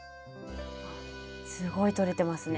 すごいとれてますね。